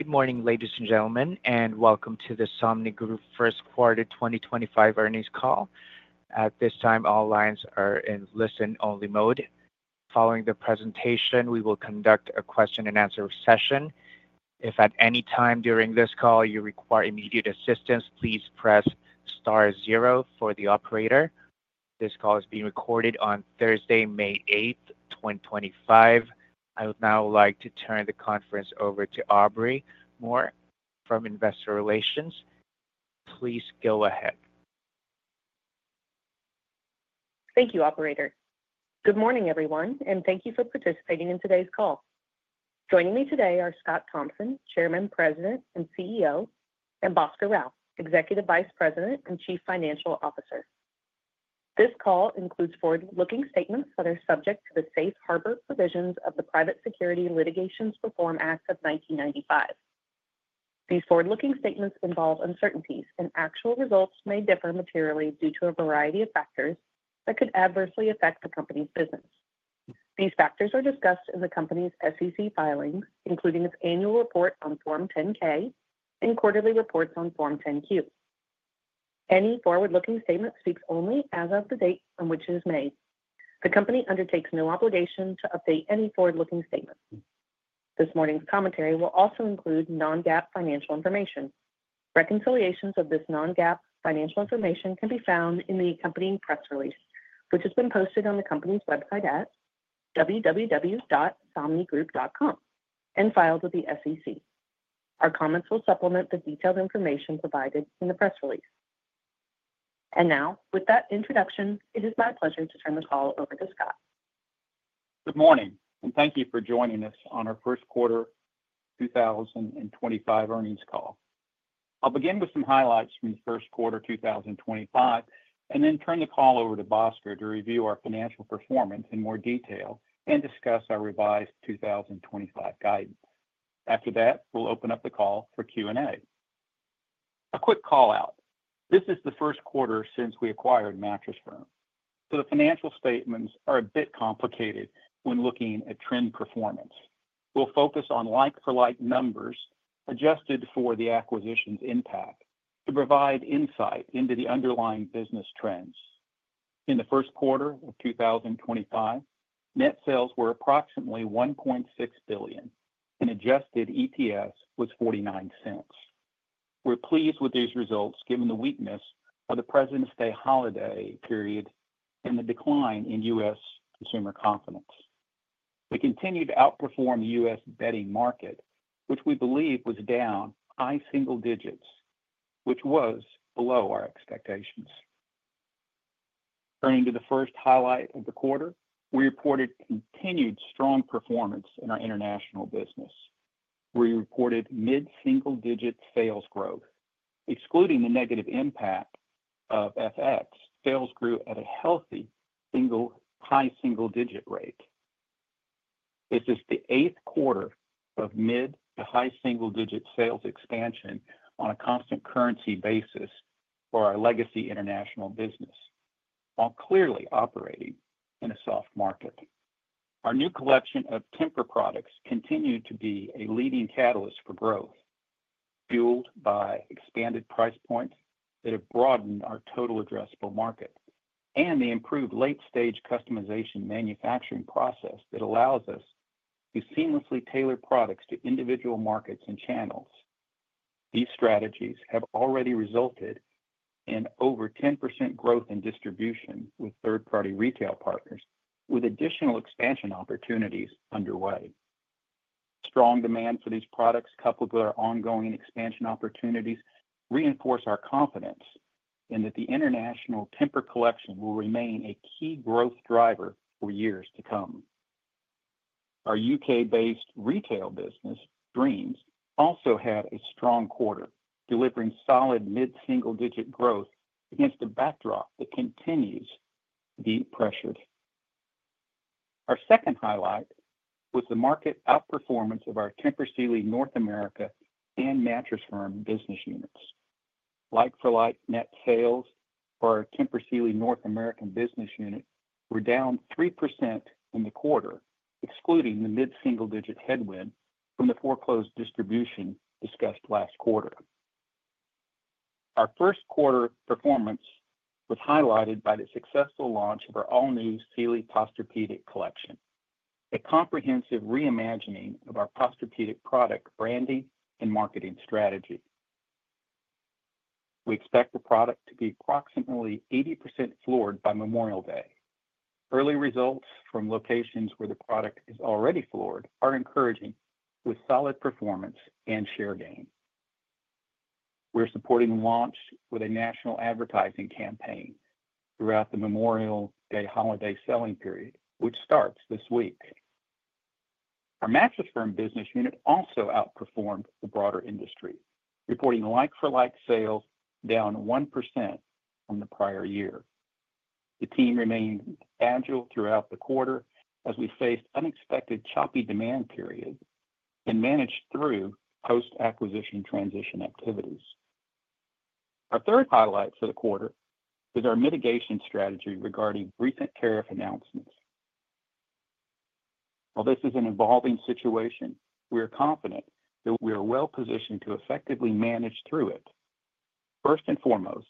Good morning, ladies and gentlemen, and welcome to the Somnigroup First Quarter 2025 earnings call. At this time, all lines are in listen-only mode. Following the presentation, we will conduct a question-and-answer session. If at any time during this call you require immediate assistance, please press star zero for the operator. This call is being recorded on Thursday, May 8th, 2025. I would now like to turn the conference over to Aubrey Moore from Investor Relations. Please go ahead. Thank you, Operator. Good morning, everyone, and thank you for participating in today's call. Joining me today are Scott Thompson, Chairman, President, and CEO, and Bhaskar Rao, Executive Vice President and Chief Financial Officer. This call includes forward-looking statements that are subject to the safe harbor provisions of the Private Securities Litigation Reform Act of 1995. These forward-looking statements involve uncertainties, and actual results may differ materially due to a variety of factors that could adversely affect the company's business. These factors are discussed in the company's SEC filings, including its annual report on Form 10-K and quarterly reports on Form 10-Q. Any forward-looking statement speaks only as of the date on which it is made. The company undertakes no obligation to update any forward-looking statement. This morning's commentary will also include Non-GAAP financial information. Reconciliations of this Non-GAAP financial information can be found in the accompanying press release, which has been posted on the company's website at www.somnigroup.com and filed with the SEC. Our comments will supplement the detailed information provided in the press release. And now, with that introduction, it is my pleasure to turn the call over to Scott. Good morning, and thank you for joining us on our First Quarter 2025 earnings call. I'll begin with some highlights from the First Quarter 2025 and then turn the call over to Bhaskar to review our financial performance in more detail and discuss our revised 2025 guidance. After that, we'll open up the call for Q&A. A quick call-out: this is the first quarter since we acquired Mattress Firm, so the financial statements are a bit complicated when looking at trend performance. We'll focus on like-for-like numbers adjusted for the acquisition's impact to provide insight into the underlying business trends. In the first quarter of 2025, net sales were approximately $1.6 billion, and adjusted EPS was $0.49. We're pleased with these results given the weakness of the Presidents' Day holiday period and the decline in U.S. consumer confidence. We continued to outperform the U.S. Betting market, which we believe was down high single digits, which was below our expectations. Turning to the first highlight of the quarter, we reported continued strong performance in our international business. We reported mid-single digit sales growth. Excluding the negative impact of FX, sales grew at a healthy high single digit rate. This is the eighth quarter of mid- to high-single digit sales expansion on a constant currency basis for our legacy international business, while clearly operating in a soft market. Our new collection of Tempur products continued to be a leading catalyst for growth, fueled by expanded price points that have broadened our total addressable market and the improved late-stage customization manufacturing process that allows us to seamlessly tailor products to individual markets and channels. These strategies have already resulted in over 10% growth in distribution with third-party retail partners, with additional expansion opportunities underway. Strong demand for these products, coupled with our ongoing expansion opportunities, reinforce our confidence in that the international Tempur collection will remain a key growth driver for years to come. Our U.K.-based retail business, Dreams, also had a strong quarter, delivering solid mid-single digit growth against a backdrop that continues to be pressured. Our second highlight was the market outperformance of our Tempur Sealy North America and Mattress Firm business units. Like-for-like net sales for our Tempur Sealy North American business unit were down 3% in the quarter, excluding the mid-single digit headwind from the foreclosed distribution discussed last quarter. Our first quarter performance was highlighted by the successful launch of our all-new Sealy Posturepedic collection, a comprehensive reimagining of our Posturepedic product branding and marketing strategy. We expect the product to be approximately 80% floored by Memorial Day. Early results from locations where the product is already floored are encouraging, with solid performance and share gain. We're supporting launch with a national advertising campaign throughout the Memorial Day holiday selling period, which starts this week. Our Mattress Firm business unit also outperformed the broader industry, reporting like-for-like sales down 1% from the prior year. The team remained agile throughout the quarter as we faced unexpected choppy demand periods and managed through post-acquisition transition activities. Our third highlight for the quarter is our mitigation strategy regarding recent tariff announcements. While this is an evolving situation, we are confident that we are well positioned to effectively manage through it. First and foremost,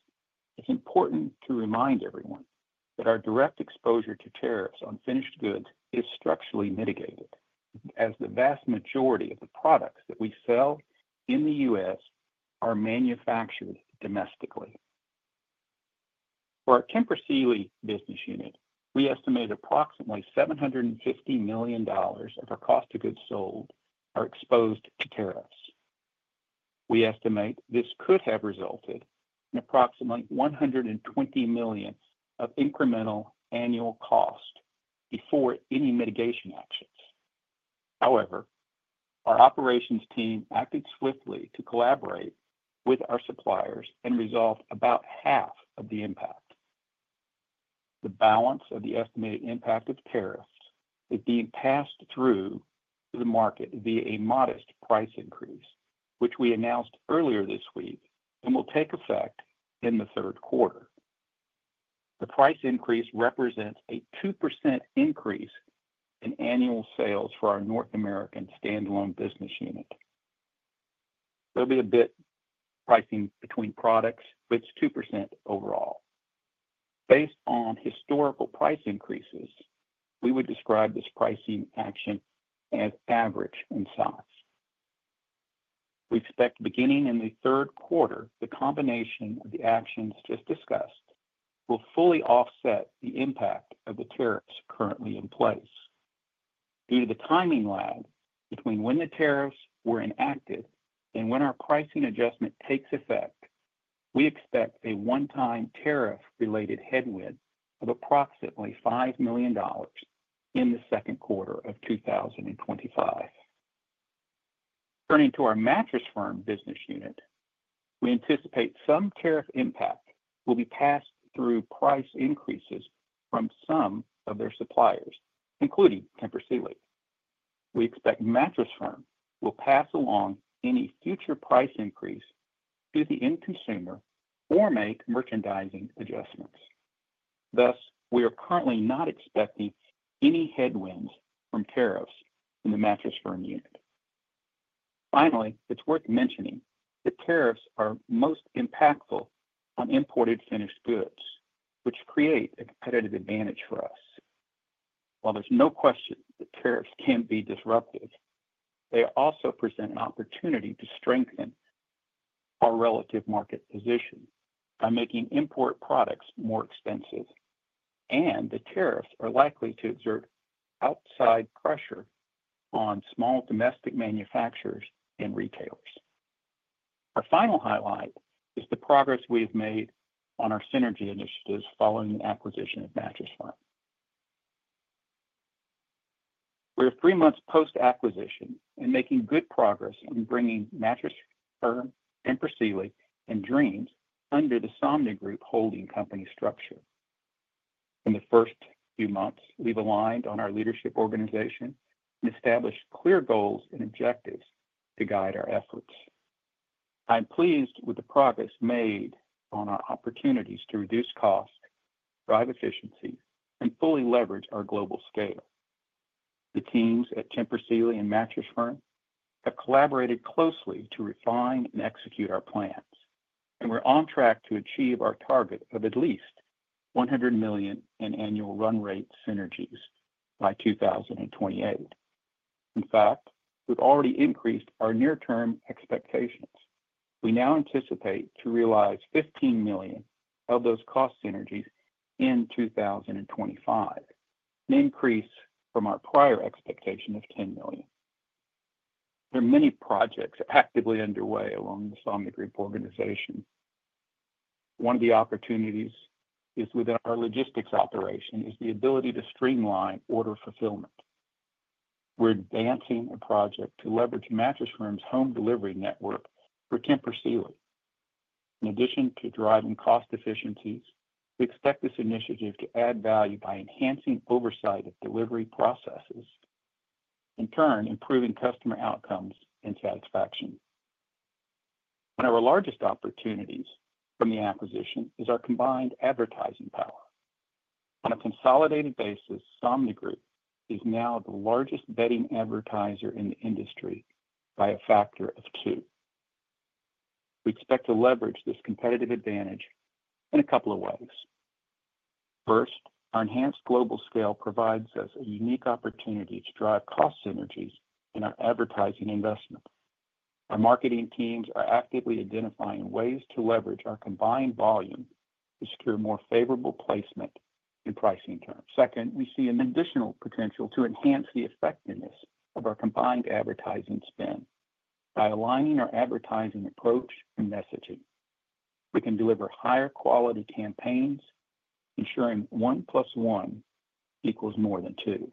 it's important to remind everyone that our direct exposure to tariffs on finished goods is structurally mitigated, as the vast majority of the products that we sell in the U.S. are manufactured domestically. For our Tempur Sealy business unit, we estimate approximately $750 million of our cost of goods sold are exposed to tariffs. We estimate this could have resulted in approximately $120 million of incremental annual cost before any mitigation actions. However, our operations team acted swiftly to collaborate with our suppliers and resolved about half of the impact. The balance of the estimated impact of tariffs is being passed through to the market via a modest price increase, which we announced earlier this week and will take effect in the third quarter. The price increase represents a 2% increase in annual sales for our North American standalone business unit. There'll be a bit of pricing between products, but it's 2% overall. Based on historical price increases, we would describe this pricing action as average in size. We expect beginning in the third quarter, the combination of the actions just discussed will fully offset the impact of the tariffs currently in place. Due to the timing lag between when the tariffs were enacted and when our pricing adjustment takes effect, we expect a one-time tariff-related headwind of approximately $5 million in the second quarter of 2025. Turning to our Mattress Firm business unit, we anticipate some tariff impact will be passed through price increases from some of their suppliers, including Tempur Sealy. We expect Mattress Firm will pass along any future price increase to the end consumer or make merchandising adjustments. Thus, we are currently not expecting any headwinds from tariffs in the Mattress Firm unit. Finally, it's worth mentioning that tariffs are most impactful on imported finished goods, which create a competitive advantage for us. While there's no question that tariffs can be disruptive, they also present an opportunity to strengthen our relative market position by making import products more expensive, and the tariffs are likely to exert outside pressure on small domestic manufacturers and retailers. Our final highlight is the progress we have made on our synergy initiatives following the acquisition of Mattress Firm. We're three months post-acquisition and making good progress in bringing Mattress Firm, Tempur Sealy, and Dreams under the Somnigroup holding company structure. In the first few months, we've aligned on our leadership organization and established clear goals and objectives to guide our efforts. I'm pleased with the progress made on our opportunities to reduce costs, drive efficiency, and fully leverage our global scale. The teams at Tempur Sealy and Mattress Firm have collaborated closely to refine and execute our plans, and we're on track to achieve our target of at least $100 million in annual run rate synergies by 2028. In fact, we've already increased our near-term expectations. We now anticipate to realize $15 million of those cost synergies in 2025, an increase from our prior expectation of $10 million. There are many projects actively underway along the Somnigroup organization. One of the opportunities within our logistics operation is the ability to streamline order fulfillment. We're advancing a project to leverage Mattress Firm's home delivery network for Tempur Sealy. In addition to driving cost efficiencies, we expect this initiative to add value by enhancing oversight of delivery processes, in turn improving customer outcomes and satisfaction. One of our largest opportunities from the acquisition is our combined advertising power. On a consolidated basis, Somnigroup is now the largest bedding advertiser in the industry by a factor of two. We expect to leverage this competitive advantage in a couple of ways. First, our enhanced global scale provides us a unique opportunity to drive cost synergies in our advertising investment. Our marketing teams are actively identifying ways to leverage our combined volume to secure more favorable placement and pricing terms. Second, we see an additional potential to enhance the effectiveness of our combined advertising spend by aligning our advertising approach and messaging. We can deliver higher quality campaigns, ensuring one plus one equals more than two.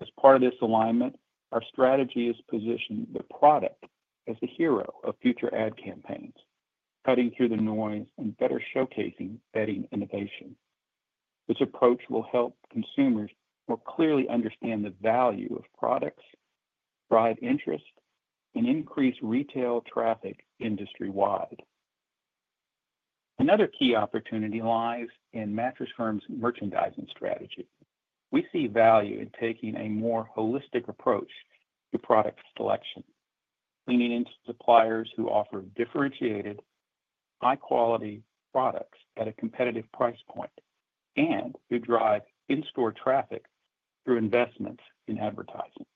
As part of this alignment, our strategy is positioning the product as the hero of future ad campaigns, cutting through the noise and better showcasing bedding innovation. This approach will help consumers more clearly understand the value of products, drive interest, and increase retail traffic industry-wide. Another key opportunity lies in Mattress Firm's merchandising strategy. We see value in taking a more holistic approach to product selection, leaning into suppliers who offer differentiated, high-quality products at a competitive price point and who drive in-store traffic through investments in advertising.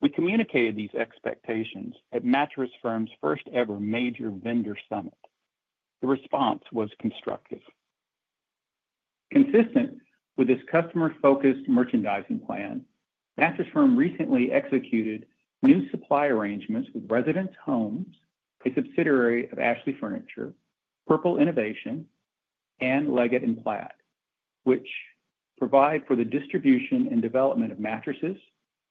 We communicated these expectations at Mattress Firm's first-ever major vendor summit. The response was constructive. Consistent with this customer-focused merchandising plan, Mattress Firm recently executed new supply arrangements with Resident Home, a subsidiary of Ashley Furniture, Purple Innovation, and Leggett & Platt, which provide for the distribution and development of mattresses,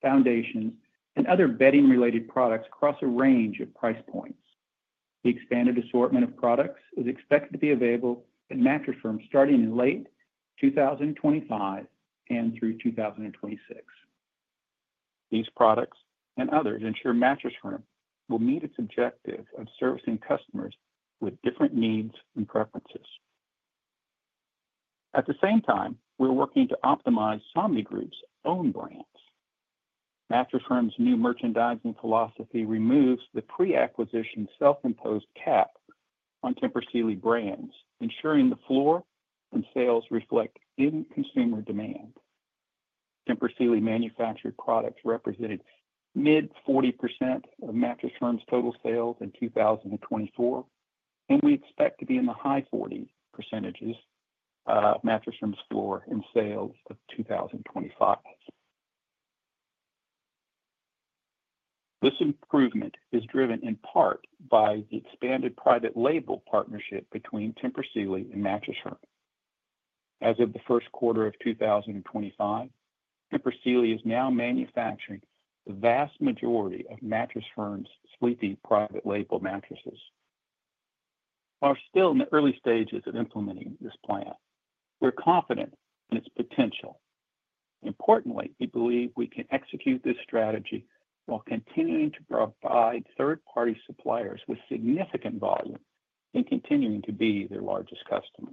foundations, and other bedding-related products across a range of price points. The expanded assortment of products is expected to be available at Mattress Firm starting in late 2025 and through 2026. These products and others ensure Mattress Firm will meet its objective of servicing customers with different needs and preferences. At the same time, we're working to optimize Somnigroup's own brands. Mattress Firm's new merchandising philosophy removes the pre-acquisition self-imposed cap on Tempur Sealy brands, ensuring the floor and sales reflect in-consumer demand. Tempur Sealy manufactured products represented mid-40% of Mattress Firm's total sales in 2024, and we expect to be in the high 40s% of Mattress Firm's floor and sales of 2025. This improvement is driven in part by the expanded private label partnership between Tempur Sealy and Mattress Firm. As of the first quarter of 2025, Tempur Sealy is now manufacturing the vast majority of Mattress Firm's Sleepy's private label mattresses. While we're still in the early stages of implementing this plan, we're confident in its potential. Importantly, we believe we can execute this strategy while continuing to provide third-party suppliers with significant volume and continuing to be their largest customer.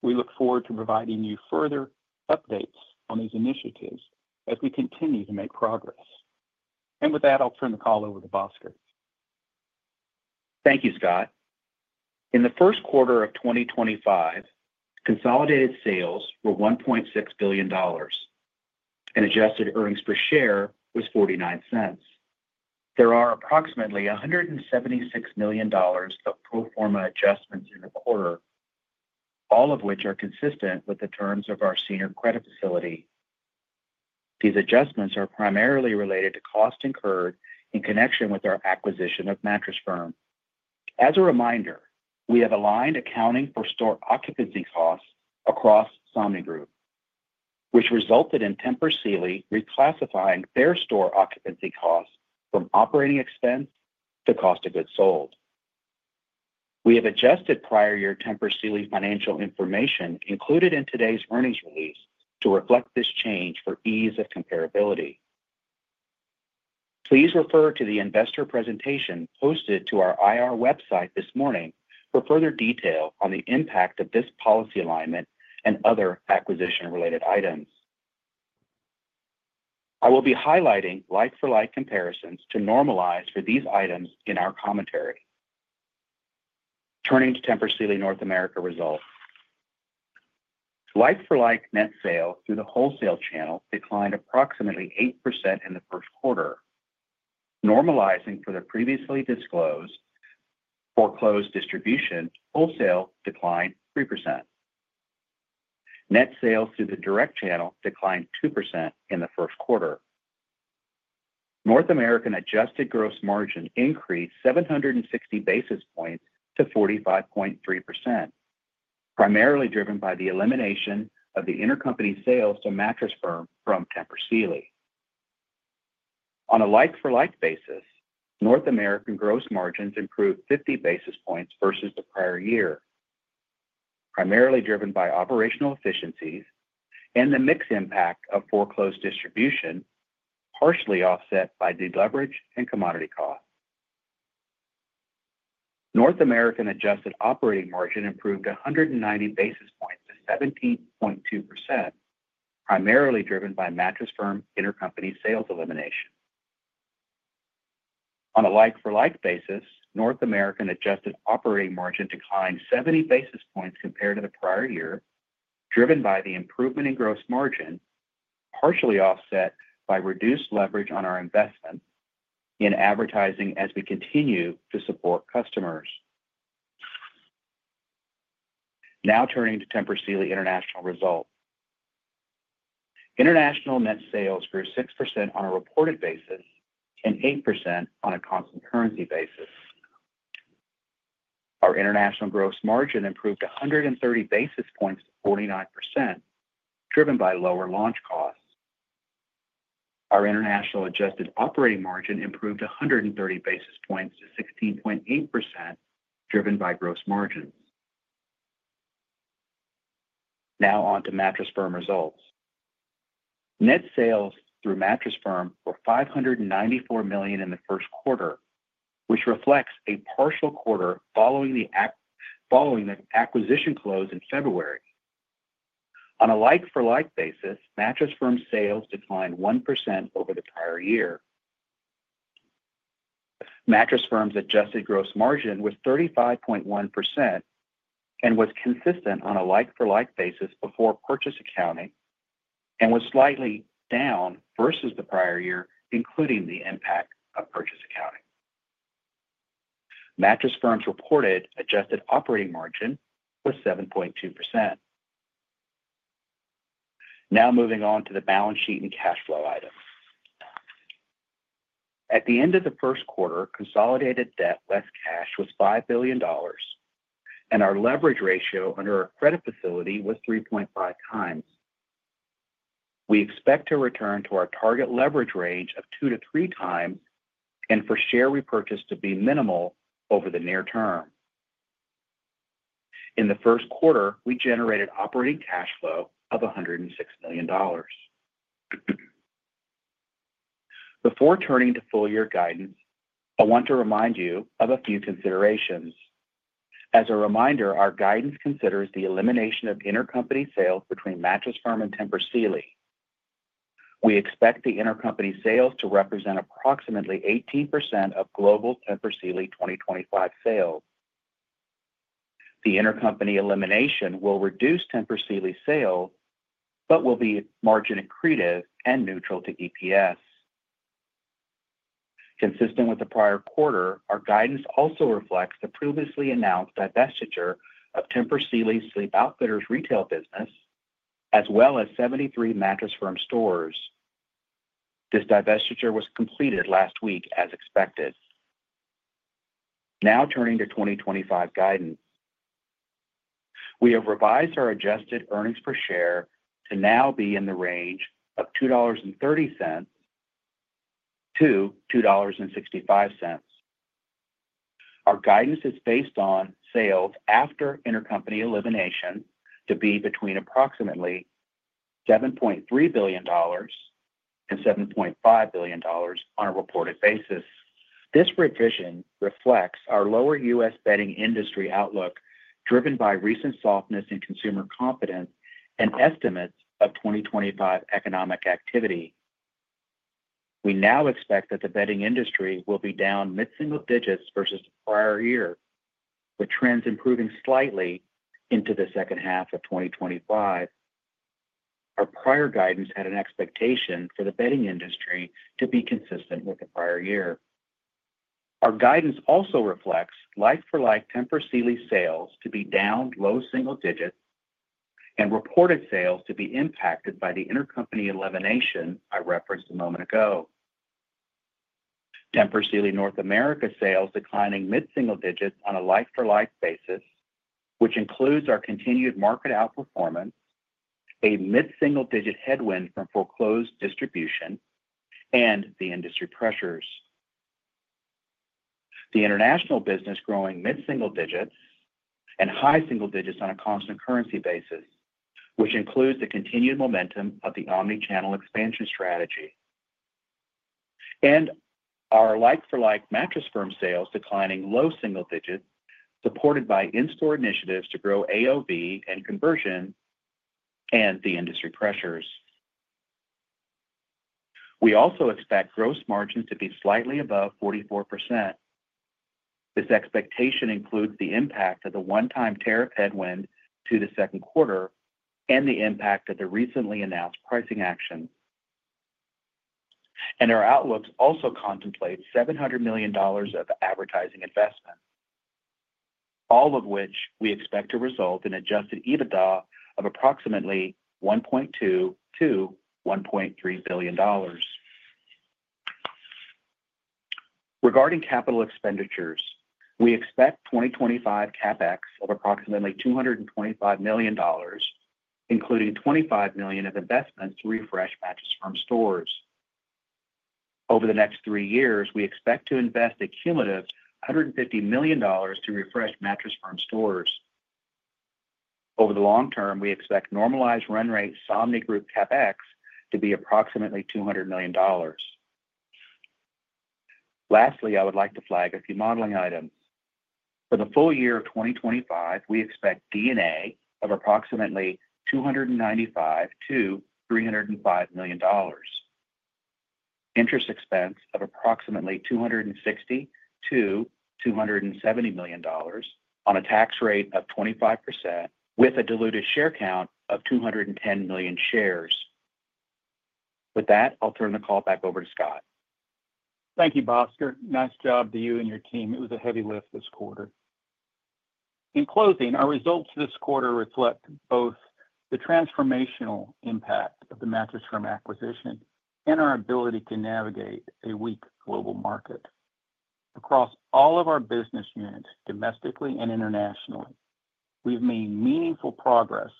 We look forward to providing you further updates on these initiatives as we continue to make progress. And with that, I'll turn the call over to Bhaskar. Thank you, Scott. In the first quarter of 2025, consolidated sales were $1.6 billion, and adjusted earnings per share was $0.49. There are approximately $176 million of pro forma adjustments in the quarter, all of which are consistent with the terms of our senior credit facility. These adjustments are primarily related to cost incurred in connection with our acquisition of Mattress Firm. As a reminder, we have aligned accounting for store occupancy costs across Somnigroup, which resulted in Tempur Sealy reclassifying their store occupancy costs from operating expense to cost of goods sold. We have adjusted prior year Tempur Sealy financial information included in today's earnings release to reflect this change for ease of comparability. Please refer to the investor presentation posted to our IR website this morning for further detail on the impact of this policy alignment and other acquisition-related items. I will be highlighting like-for-like comparisons to normalize for these items in our commentary. Turning to Tempur Sealy North America results, like-for-like net sales through the wholesale channel declined approximately 8% in the first quarter, normalizing for the previously disclosed foreclosed distribution. Wholesale declined 3%. Net sales through the direct channel declined 2% in the first quarter. North American adjusted gross margin increased 760 basis points to 45.3%, primarily driven by the elimination of the intercompany sales to Mattress Firm from Tempur Sealy. On a like-for-like basis, North American gross margins improved 50 basis points versus the prior year, primarily driven by operational efficiencies and the mixed impact of foreclosed distribution, partially offset by deleverage and commodity costs. North American adjusted operating margin improved 190 basis points to 17.2%, primarily driven by Mattress Firm intercompany sales elimination. On a like-for-like basis, North American adjusted operating margin declined 70 basis points compared to the prior year, driven by the improvement in gross margin, partially offset by reduced leverage on our investment in advertising as we continue to support customers. Now turning to Tempur Sealy International results. International net sales grew 6% on a reported basis and 8% on a constant currency basis. Our international gross margin improved 130 basis points to 49%, driven by lower launch costs. Our international adjusted operating margin improved 130 basis points to 16.8%, driven by gross margins. Now on to Mattress Firm results. Net sales through Mattress Firm were $594 million in the first quarter, which reflects a partial quarter following the acquisition close in February. On a like-for-like basis, Mattress Firm's sales declined 1% over the prior year. Mattress Firm's adjusted gross margin was 35.1% and was consistent on a like-for-like basis before purchase accounting and was slightly down versus the prior year, including the impact of purchase accounting. Mattress Firm's reported adjusted operating margin was 7.2%. Now moving on to the balance sheet and cash flow items. At the end of the first quarter, consolidated debt less cash was $5 billion, and our leverage ratio under our credit facility was 3.5 times. We expect to return to our target leverage range of two to three times and for share repurchase to be minimal over the near term. In the first quarter, we generated operating cash flow of $106 million. Before turning to full year guidance, I want to remind you of a few considerations. As a reminder, our guidance considers the elimination of intercompany sales between Mattress Firm and Tempur Sealy. We expect the intercompany sales to represent approximately 18% of global Tempur Sealy 2025 sales. The intercompany elimination will reduce Tempur Sealy sales but will be margin accretive and neutral to EPS. Consistent with the prior quarter, our guidance also reflects the previously announced divestiture of Tempur Sealy Sleep Outfitters retail business, as well as 73 Mattress Firm stores. This divestiture was completed last week, as expected. Now turning to 2025 guidance, we have revised our adjusted earnings per share to now be in the range of $2.30-$2.65. Our guidance is based on sales after intercompany elimination to be between approximately $7.3 billion and $7.5 billion on a reported basis. This revision reflects our lower U.S. bedding industry outlook, driven by recent softness in consumer confidence and estimates of 2025 economic activity. We now expect that the bedding industry will be down mid-single digits versus the prior year, with trends improving slightly into the second half of 2025. Our prior guidance had an expectation for the bedding industry to be consistent with the prior year. Our guidance also reflects like-for-like Tempur Sealy sales to be down low single digits and reported sales to be impacted by the intercompany elimination I referenced a moment ago. Tempur Sealy North America sales declining mid-single digits on a like-for-like basis, which includes our continued market outperformance, a mid-single digit headwind from closed distribution, and the industry pressures. The international business growing mid-single digits and high single digits on a constant currency basis, which includes the continued momentum of the omnichannel expansion strategy. And our like-for-like Mattress Firm sales declining low single digits, supported by in-store initiatives to grow AOV and conversion, and the industry pressures. We also expect gross margins to be slightly above 44%. This expectation includes the impact of the one-time tariff headwind to the second quarter and the impact of the recently announced pricing action. And our outlooks also contemplate $700 million of advertising investment, all of which we expect to result in adjusted EBITDA of approximately $1.2-$1.3 billion. Regarding capital expenditures, we expect 2025 CapEx of approximately $225 million, including $25 million of investments to refresh Mattress Firm stores. Over the next three years, we expect to invest a cumulative $150 million to refresh Mattress Firm stores. Over the long term, we expect normalized run rate Somnigroup CapEx to be approximately $200 million. Lastly, I would like to flag a few modeling items. For the full year of 2025, we expect EBITDA of approximately $295 million-$305 million, interest expense of approximately $260 million-$270 million on a tax rate of 25%, with a diluted share count of 210 million shares. With that, I'll turn the call back over to Scott. Thank you, Bhaskar. Nice job to you and your team. It was a heavy lift this quarter. In closing, our results this quarter reflect both the transformational impact of the Mattress Firm acquisition and our ability to navigate a weak global market. Across all of our business units, domestically and internationally, we've made meaningful progress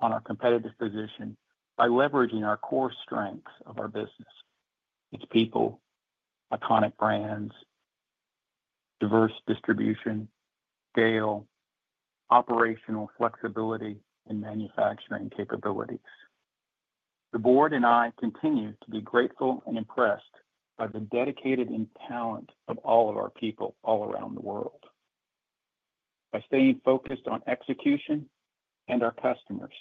on our competitive position by leveraging our core strengths of our business: its people, iconic brands, diverse distribution, scale, operational flexibility, and manufacturing capabilities. The board and I continue to be grateful and impressed by the dedication and talent of all of our people all around the world. By staying focused on execution and our customers,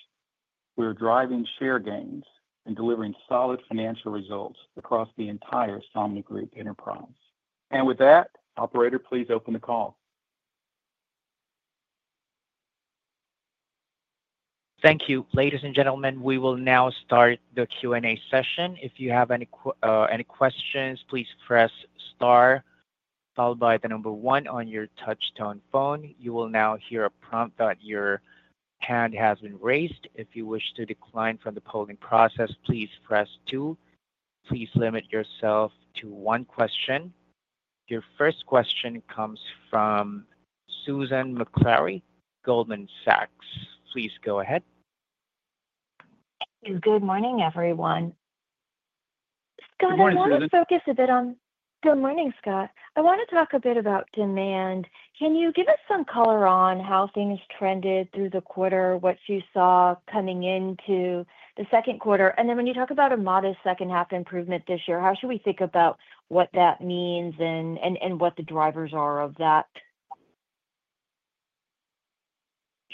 we are driving share gains and delivering solid financial results across the entire Somnigroup enterprise. And with that, Operator, please open the call. Thank you, ladies and gentlemen. We will now start the Q&A session. If you have any questions, please press Star, followed by the number one on your touchtone phone. You will now hear a prompt that your hand has been raised. If you wish to decline from the polling process, please press two. Please limit yourself to one question. Your first question comes from Susan Maklari, Goldman Sachs. Please go ahead. Good morning, everyone. Scott, I want to focus a bit on, good morning, Scott. I want to talk a bit about demand. Can you give us some color on how things trended through the quarter, what you saw coming into the second quarter? And then when you talk about a modest second-half improvement this year, how should we think about what that means and what the drivers are of that?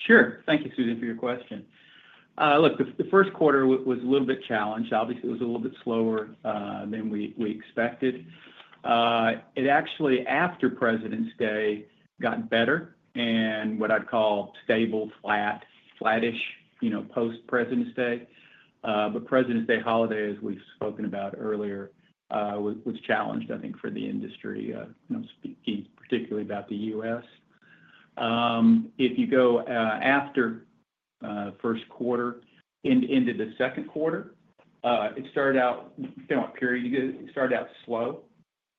Sure. Thank you, Susan, for your question. Look, the first quarter was a little bit challenged. Obviously, it was a little bit slower than we expected. It actually, after President's Day, got better and what I'd call stable, flat, flattish post-President's Day. But President's Day holiday, as we've spoken about earlier, was challenged, I think, for the industry, particularly about the U.S. If you go after first quarter into the second quarter, it started out slow.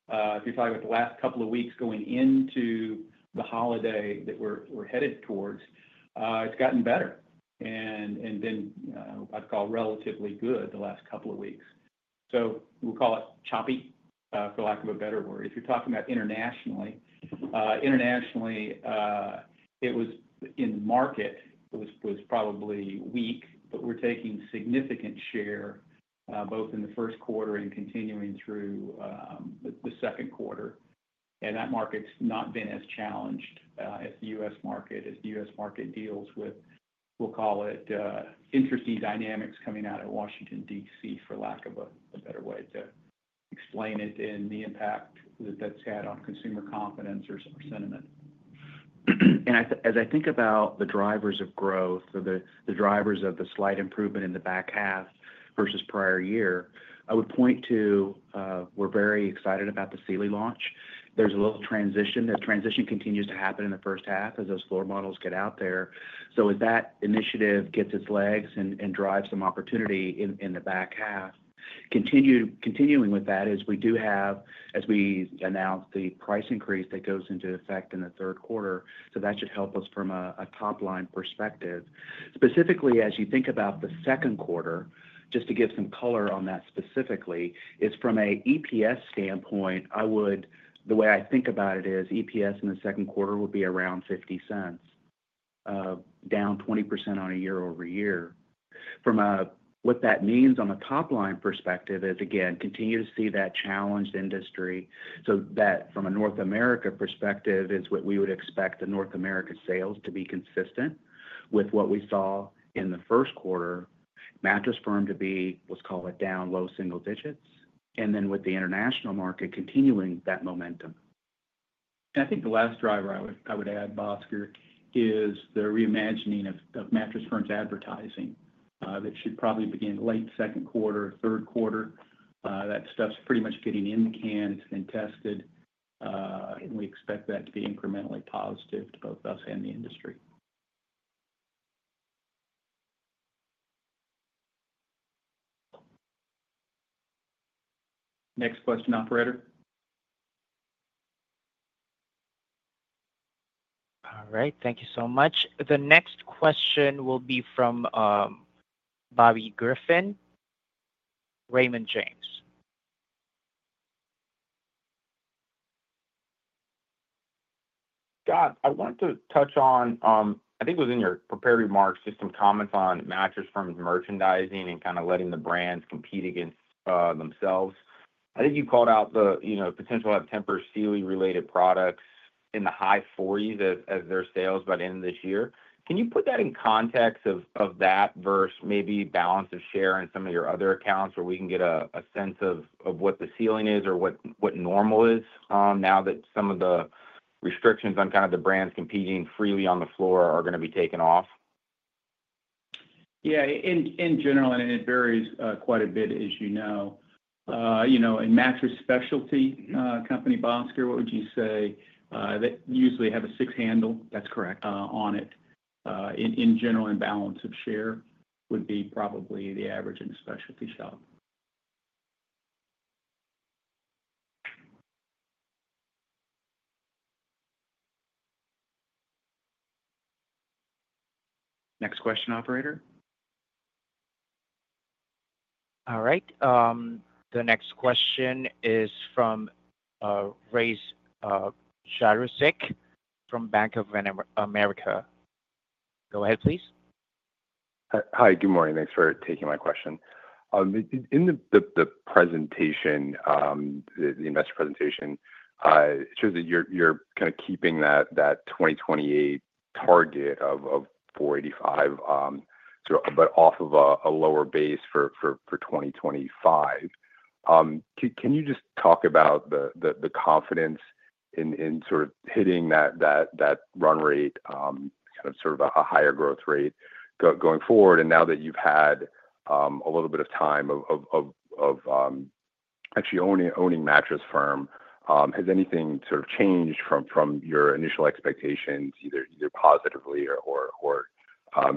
If you're talking about the last couple of weeks going into the holiday that we're headed towards, it's gotten better and been, I'd call, relatively good the last couple of weeks. So we'll call it choppy, for lack of a better word. If you're talking about internationally, it was in market, it was probably weak, but we're taking significant share both in the first quarter and continuing through the second quarter. That market's not been as challenged as the U.S. market, as the U.S. market deals with, we'll call it, interesting dynamics coming out of Washington, D.C., for lack of a better way to explain it, and the impact that that's had on consumer confidence or sentiment. As I think about the drivers of growth, the drivers of the slight improvement in the back half versus prior year, I would point to, we're very excited about the Sealy launch. There's a little transition. That transition continues to happen in the first half as those floor models get out there. So as that initiative gets its legs and drives some opportunity in the back half, continuing with that is we do have, as we announced, the price increase that goes into effect in the third quarter. So that should help us from a top-line perspective. Specifically, as you think about the second quarter, just to give some color on that specifically, from an EPS standpoint, I would, the way I think about it is EPS in the second quarter would be around $0.50, down 20% on a year-over-year. From what that means on a top-line perspective is, again, continue to see that challenged industry. So that from a North America perspective is what we would expect the North America sales to be consistent with what we saw in the first quarter, Mattress Firm to be, let's call it, down low single digits, and then with the international market continuing that momentum. And I think the last driver I would add, Bhaskar, is the reimagining of Mattress Firm's advertising that should probably begin late second quarter, third quarter. That stuff's pretty much getting in the cans and tested, and we expect that to be incrementally positive to both us and the industry. Next question, Operator. All right. Thank you so much. The next question will be from Bobby Griffin, Raymond James. Scott, I wanted to touch on - I think it was in your prepared remarks - just some comments on Mattress Firm's merchandising and kind of letting the brands compete against themselves. I think you called out the potential of Tempur Sealy-related products in the high 40s as their sales by the end of this year. Can you put that in context of that versus maybe balanced share in some of your other accounts where we can get a sense of what the ceiling is or what normal is now that some of the restrictions on kind of the brands competing freely on the floor are going to be taken off? Yeah. In general, and it varies quite a bit, as you know, in mattress specialty company, Bhaskar, what would you say? They usually have a six-handle. That's correct. On it. In general, in balance of share would be probably the average in a specialty shop. Next question, Operator. All right. The next question is from Rafe Jadrosich from Bank of America. Go ahead, please. Hi. Good morning. Thanks for taking my question. In the presentation, the investor presentation, it shows that you're kind of keeping that 2028 target of 485, but off of a lower base for 2025. Can you just talk about the confidence in sort of hitting that run rate, kind of sort of a higher growth rate going forward? And now that you've had a little bit of time of actually owning Mattress Firm, has anything sort of changed from your initial expectations, either positively or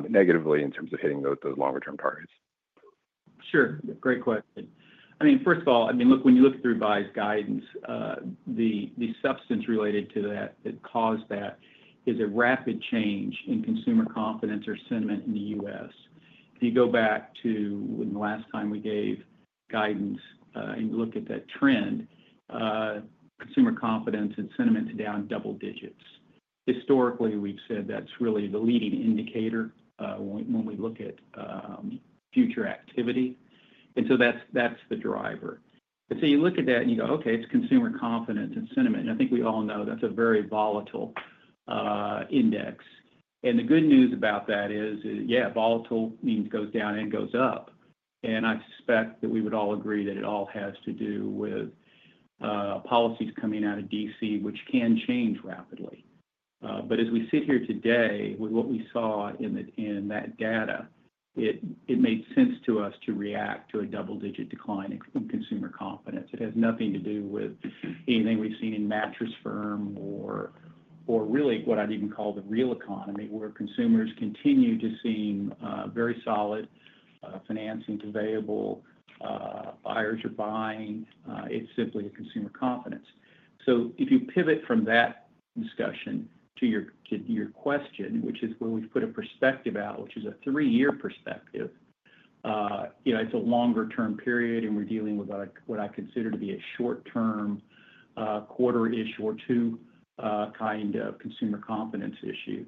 negatively in terms of hitting those longer-term targets? Sure. Great question. I mean, first of all, I mean, look, when you look through our guidance, the substance related to that that caused that is a rapid change in consumer confidence or sentiment in the U.S. If you go back to when the last time we gave guidance and look at that trend, consumer confidence and sentiment are down double digits. Historically, we've said that's really the leading indicator when we look at future activity, and so that's the driver, and so you look at that and you go, "Okay, it's consumer confidence and sentiment," and I think we all know that's a very volatile index. And the good news about that is, yeah, volatile means goes down and goes up, and I suspect that we would all agree that it all has to do with policies coming out of D.C., which can change rapidly. But as we sit here today with what we saw in that data, it made sense to us to react to a double-digit decline in consumer confidence. It has nothing to do with anything we've seen in Mattress Firm or really what I'd even call the real economy, where consumers continue to seem very solid, financing is available, buyers are buying. It's simply consumer confidence. So if you pivot from that discussion to your question, which is where we've put a perspective out, which is a three-year perspective, it's a longer-term period, and we're dealing with what I consider to be a short-term quarter-ish or two kind of consumer confidence issue.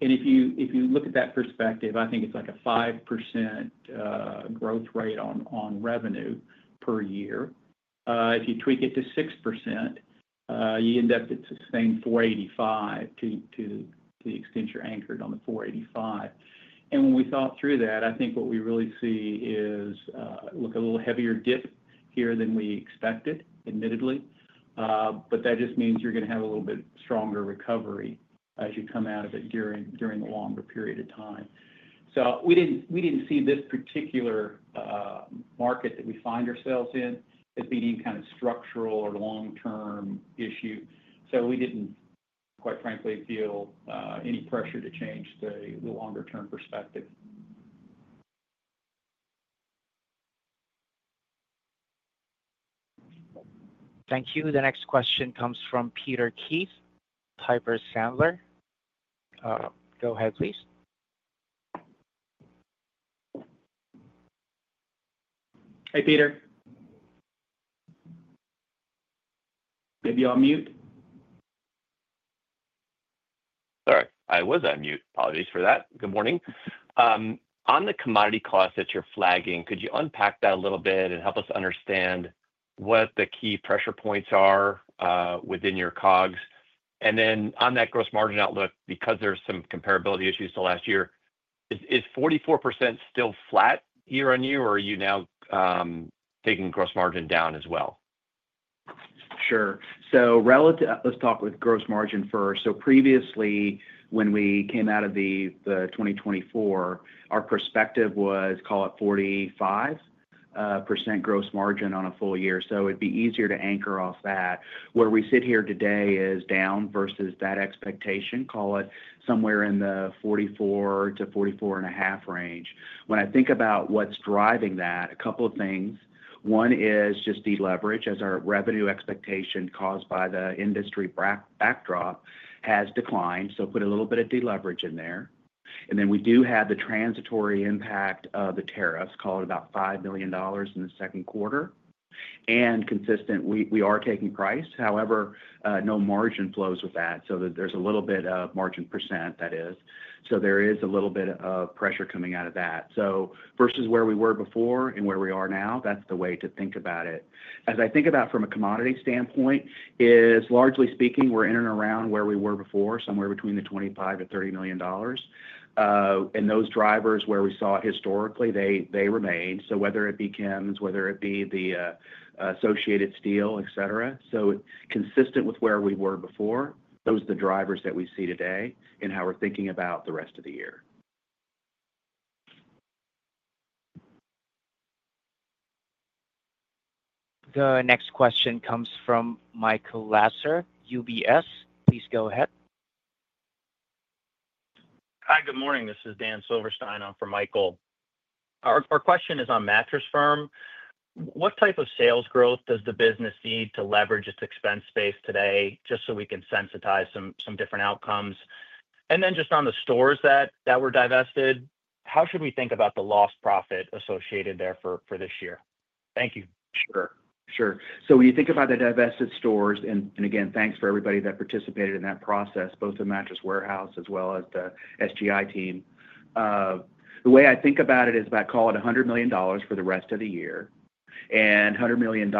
And if you look at that perspective, I think it's like a 5% growth rate on revenue per year. If you tweak it to 6%, you end up at the same 485 to the extent you're anchored on the 485, and when we thought through that, I think what we really see is, look, a little heavier dip here than we expected, admittedly. But that just means you're going to have a little bit stronger recovery as you come out of it during the longer period of time, so we didn't see this particular market that we find ourselves in as being kind of structural or long-term issue, so we didn't, quite frankly, feel any pressure to change the longer-term perspective. Thank you. The next question comes from Peter Keith, Piper Sandler. Go ahead, please. Hey, Peter. Maybe you're on mute. Sorry. I was on mute. Apologies for that. Good morning. On the commodity costs that you're flagging, could you unpack that a little bit and help us understand what the key pressure points are within your COGS? And then on that gross margin outlook, because there's some comparability issues to last year, is 44% still flat year on year, or are you now taking gross margin down as well? Sure. So let's talk with gross margin first. So previously, when we came out of the 2024, our perspective was, call it, 45% gross margin on a full year. So it'd be easier to anchor off that. Where we sit here today is down versus that expectation, call it, somewhere in the 44%-44.5% range. When I think about what's driving that, a couple of things. One is just deleverage as our revenue expectation caused by the industry backdrop has declined. Put a little bit of deleverage in there. And then we do have the transitory impact of the tariffs, call it about $5 million in the second quarter. And consistent, we are taking price. However, no margin flows with that. So there's a little bit of margin %, that is. So there is a little bit of pressure coming out of that. So versus where we were before and where we are now, that's the way to think about it. As I think about from a commodity standpoint, largely speaking, we're in and around where we were before, somewhere between $25 million-$30 million. And those drivers, where we saw historically, they remain. So whether it be chems, whether it be the associated steel, etc. So consistent with where we were before, those are the drivers that we see today in how we're thinking about the rest of the year. The next question comes from Michael Lasser, UBS. Please go ahead. Hi. Good morning. This is Dan Silverstein. I'm from Michael. Our question is on Mattress Firm, what type of sales growth does the business need to leverage its expense space today, just so we can sensitize some different outcomes? And then just on the stores that were divested, how should we think about the lost profit associated there for this year? Thank you. Sure. Sure. So when you think about the divested stores, and again, thanks for everybody that participated in that process, both the Mattress Warehouse as well as the SGI team, the way I think about it is about, call it, $100 million for the rest of the year. $100 million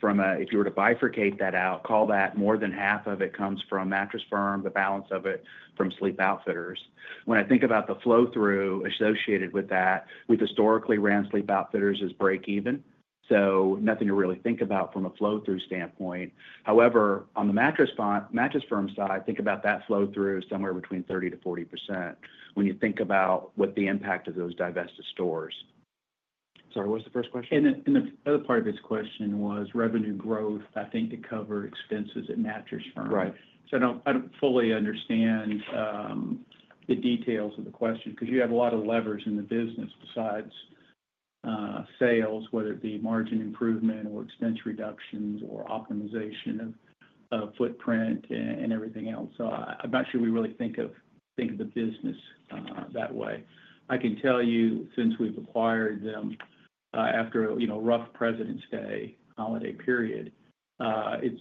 from, if you were to bifurcate that out, call that more than half of it comes from Mattress Firm, the balance of it from Sleep Outfitters. When I think about the flow-through associated with that, we've historically ran Sleep Outfitters as break-even. So nothing to really think about from a flow-through standpoint. However, on the Mattress Firm side, think about that flow-through somewhere between 30%-40% when you think about what the impact of those divested stores. Sorry, what was the first question? And the other part of his question was revenue growth, I think, to cover expenses at Mattress Firm. So I don't fully understand the details of the question because you have a lot of levers in the business besides sales, whether it be margin improvement or expense reductions or optimization of footprint and everything else. I'm not sure we really think of the business that way. I can tell you, since we've acquired them after a rough Presidents' Day holiday period, it's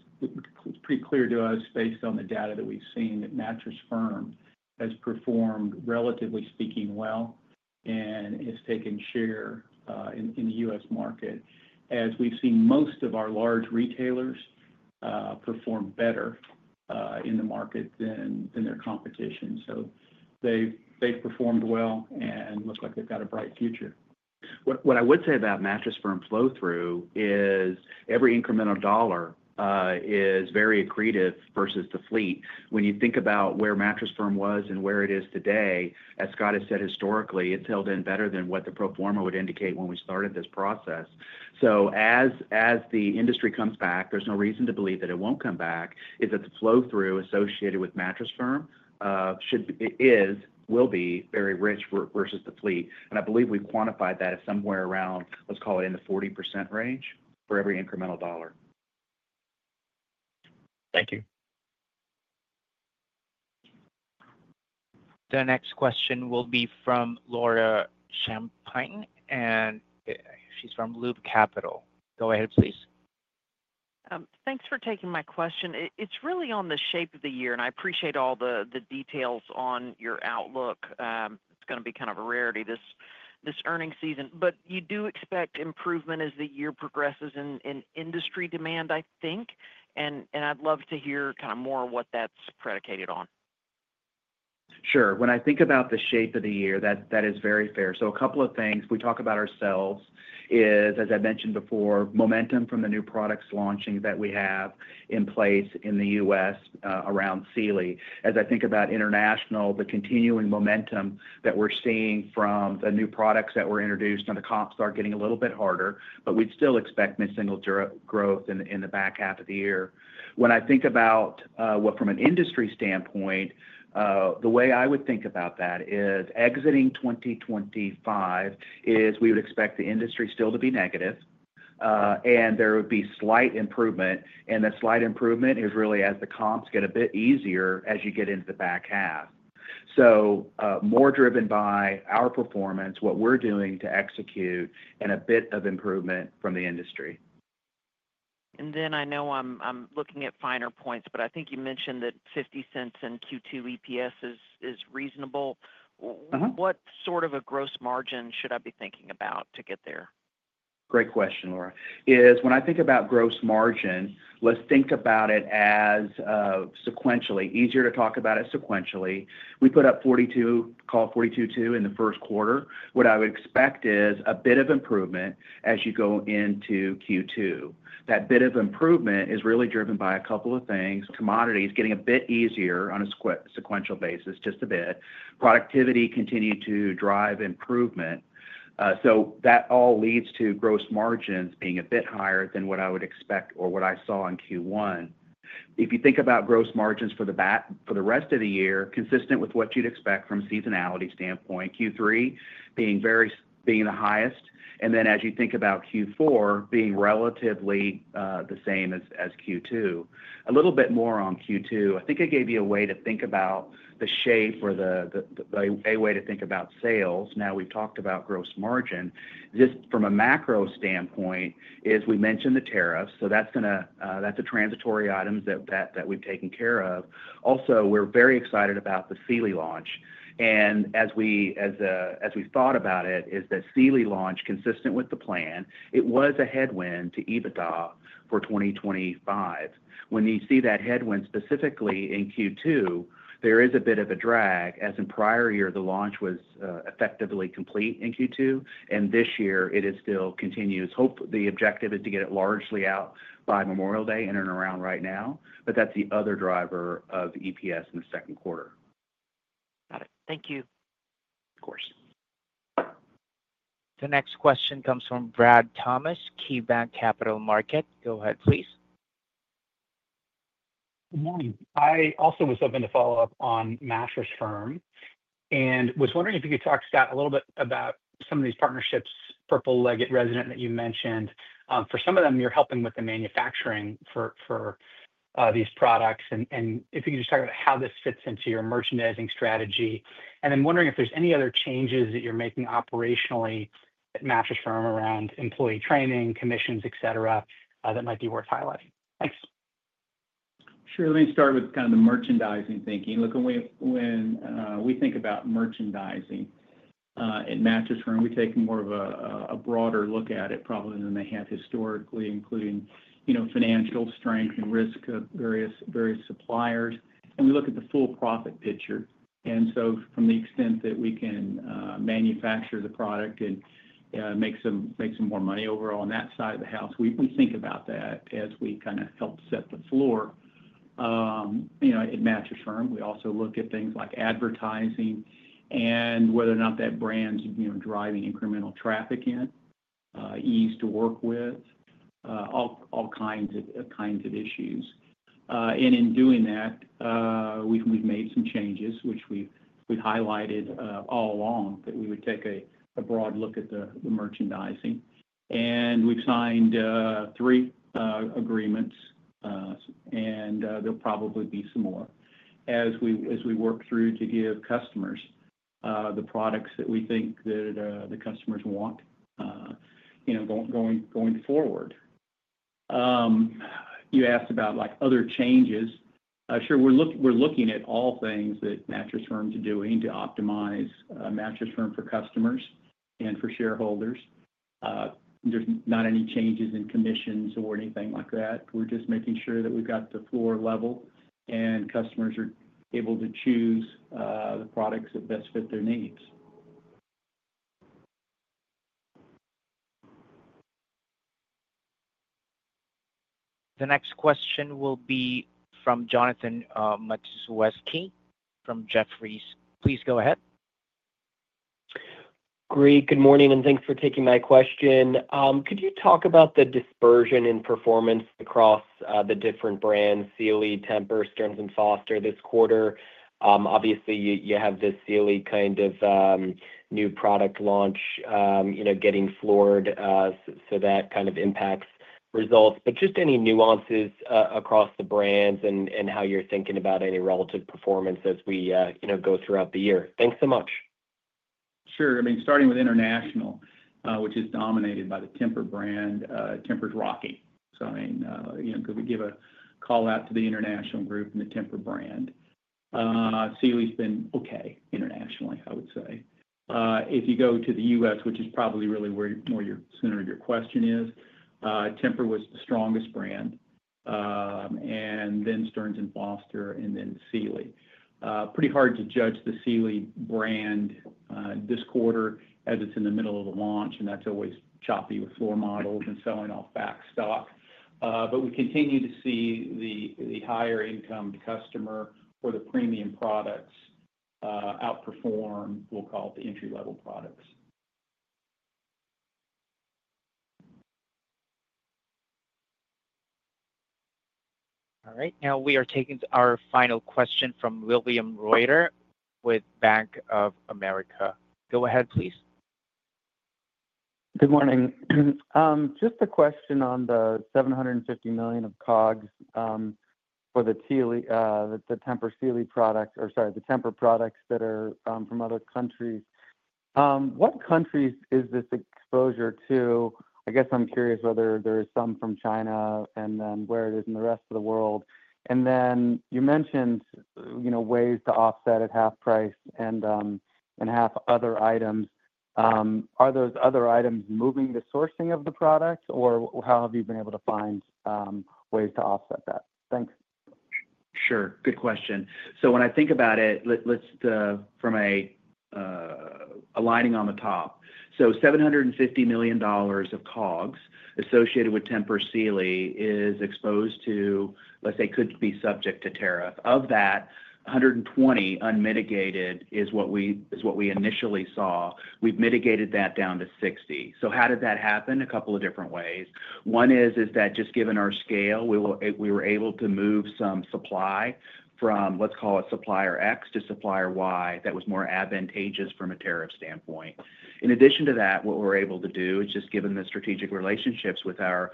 pretty clear to us, based on the data that we've seen, that Mattress Firm has performed, relatively speaking, well and has taken share in the U.S. market, as we've seen most of our large retailers perform better in the market than their competition. So they've performed well and look like they've got a bright future. What I would say about Mattress Firm flow-through is every incremental dollar is very accretive versus the fleet. When you think about where Mattress Firm was and where it is today, as Scott has said, historically, it's held in better than what the pro forma would indicate when we started this process. As the industry comes back, there's no reason to believe that it won't come back. That is the flow-through associated with Mattress Firm will be very rich versus the fleet. And I believe we've quantified that as somewhere around, let's call it, in the 40% range for every incremental dollar. Thank you. The next question will be from Laura Champine, and she's from Loop Capital. Go ahead, please. Thanks for taking my question. It's really on the shape of the year, and I appreciate all the details on your outlook. It's going to be kind of a rarity this earnings season. But you do expect improvement as the year progresses in industry demand, I think. And I'd love to hear kind of more what that's predicated on. Sure. When I think about the shape of the year, that is very fair. A couple of things we talk about ourselves is, as I mentioned before, momentum from the new products launching that we have in place in the U.S. around Sealy. As I think about international, the continuing momentum that we're seeing from the new products that were introduced and the comps are getting a little bit harder, but we'd still expect mid-single-digit growth in the back half of the year. When I think about, well, from an industry standpoint, the way I would think about that is exiting 2025 is we would expect the industry still to be negative, and there would be slight improvement. The slight improvement is really as the comps get a bit easier as you get into the back half. More driven by our performance, what we're doing to execute, and a bit of improvement from the industry. And then I know I'm looking at finer points, but I think you mentioned that $0.50 in Q2 EPS is reasonable. What sort of a gross margin should I be thinking about to get there? Great question, Laura. When I think about gross margin, let's think about it as sequentially. Easier to talk about it sequentially. We put up 42%, call it 42.2% in the first quarter. What I would expect is a bit of improvement as you go into Q2. That bit of improvement is really driven by a couple of things. Commodities getting a bit easier on a sequential basis, just a bit. Productivity continued to drive improvement. So that all leads to gross margins being a bit higher than what I would expect or what I saw in Q1. If you think about gross margins for the rest of the year, consistent with what you'd expect from a seasonality standpoint, Q3 being the highest, and then as you think about Q4 being relatively the same as Q2. A little bit more on Q2. I think I gave you a way to think about the shape or a way to think about sales. Now we've talked about gross margin. Just from a macro standpoint, as we mentioned the tariffs, so that's the transitory items that we've taken care of. Also, we're very excited about the Sealy launch, and as we thought about it, is the Sealy launch consistent with the plan? It was a headwind to EBITDA for 2025. When you see that headwind specifically in Q2, there is a bit of a drag, as in prior year, the launch was effectively complete in Q2, and this year it is still continues. Hopefully, the objective is to get it largely out by Memorial Day in and around right now. But that's the other driver of EPS in the second quarter. Got it. Thank you. Of course. The next question comes from Brad Thomas, KeyBanc Capital Markets. Go ahead, please. Good morning. I also was hoping to follow up on Mattress Firm and was wondering if you could talk, Scott, a little bit about some of these partnerships. Purple, Leggett, Resident that you mentioned. For some of them, you're helping with the manufacturing for these products. And if you could just talk about how this fits into your merchandising strategy. I'm wondering if there's any other changes that you're making operationally at Mattress Firm around employee training, commissions, etc., that might be worth highlighting. Thanks. Sure. Let me start with kind of the merchandising thinking. Look, when we think about merchandising at Mattress Firm, we take more of a broader look at it probably than they have historically, including financial strength and risk of various suppliers. And we look at the full profit picture. And so to the extent that we can manufacture the product and make some more money overall on that side of the house, we think about that as we kind of help set the floor at Mattress Firm. We also look at things like advertising and whether or not that brand's driving incremental traffic in, ease to work with, all kinds of issues. And in doing that, we've made some changes, which we've highlighted all along, that we would take a broad look at the merchandising. And we've signed three agreements, and there'll probably be some more as we work through to give customers the products that we think that the customers want going forward. You asked about other changes. Sure. We're looking at all things that Mattress Firm is doing to optimize Mattress Firm for customers and for shareholders. There's not any changes in commissions or anything like that. We're just making sure that we've got the floor level and customers are able to choose the products that best fit their needs. The next question will be from Jonathan Matuszewski from Jefferies. Please go ahead. Great. Good morning, and thanks for taking my question. Could you talk about the dispersion in performance across the different brands, Sealy, Tempur, Stearns & Foster this quarter? Obviously, you have this Sealy kind of new product launch getting floored, so that kind of impacts results. But just any nuances across the brands and how you're thinking about any relative performance as we go throughout the year. Thanks so much. Sure. I mean, starting with international, which is dominated by the Tempur brand, Tempur's rocking. So I mean, could we give a call out to the international group and the Tempur brand? Sealy's been okay internationally, I would say. If you go to the U.S., which is probably really where the center of your question is, Tempur was the strongest brand, and then Stearns & Foster, and then Sealy. Pretty hard to judge the Sealy brand this quarter as it's in the middle of the launch, and that's always choppy with floor models and selling off back stock, but we continue to see the higher-income customer or the premium products outperform, we'll call it, the entry-level products. All right. Now we are taking our final question from William Reuter with Bank of America. Go ahead, please. Good morning. Just a question on the $750 million of COGS for the Tempur Sealy products or, sorry, the Tempur products that are from other countries. What countries is this exposure to? I guess I'm curious whether there is some from China and then where it is in the rest of the world. And then you mentioned ways to offset at half price and half other items. Are those other items moving the sourcing of the product, or how have you been able to find ways to offset that? Thanks. Sure. Good question. So when I think about it, from aligning on the top, so $750 million of COGS associated with Tempur Sealy is exposed to, let's say, could be subject to tariff. Of that, $120 million unmitigated is what we initially saw. We've mitigated that down to $60 million. So how did that happen? A couple of different ways. One is that just given our scale, we were able to move some supply from, let's call it, Supplier X to Supplier Y that was more advantageous from a tariff standpoint. In addition to that, what we're able to do, just given the strategic relationships with our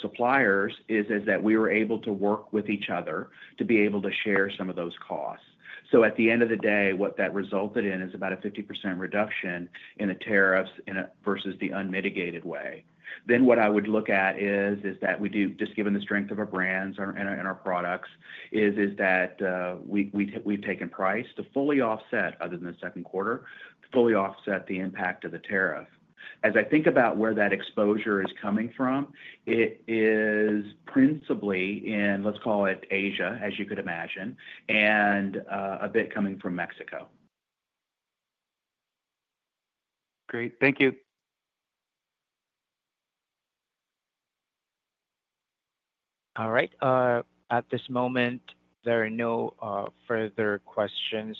suppliers, is that we were able to work with each other to be able to share some of those costs. So at the end of the day, what that resulted in is about a 50% reduction in the tariffs versus the unmitigated way. Then what I would look at is that we do, just given the strength of our brands and our products, is that we've taken price to fully offset, other than the second quarter, fully offset the impact of the tariff. As I think about where that exposure is coming from, it is principally in, let's call it, Asia, as you could imagine, and a bit coming from Mexico. Great. Thank you. All right. At this moment, there are no further questions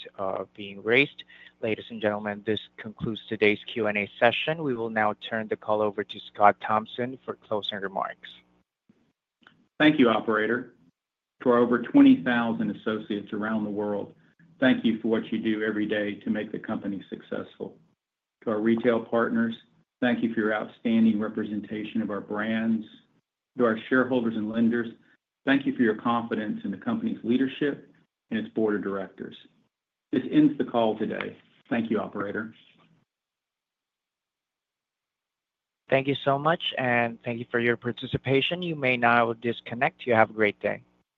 being raised. Ladies and gentlemen, this concludes today's Q&A session. We will now turn the call over to Scott Thompson for closing remarks. Thank you, Operator. To our over 20,000 associates around the world, thank you for what you do every day to make the company successful. To our retail partners, thank you for your outstanding representation of our brands. To our shareholders and lenders, thank you for your confidence in the company's leadership and its board of directors. This ends the call today. Thank you, Operator. Thank you so much, and thank you for your participation. You may now disconnect. You have a great day.